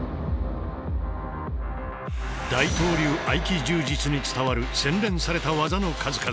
大東流合気柔術に伝わる洗練された技の数々。